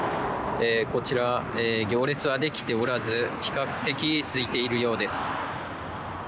こちら、行列はできておらず比較的すいているようです。